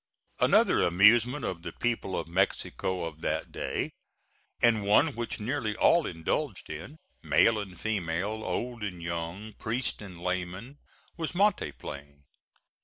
Another amusement of the people of Mexico of that day, and one which nearly all indulged in, male and female, old and young, priest and layman, was Monte playing.